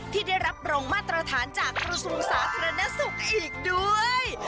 ที่ได้รับรองมาตรฐานจากกระทรวงสาธารณสุขอีกด้วย